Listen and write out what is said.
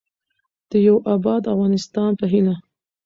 د یوه اباد افغانستان په هیله.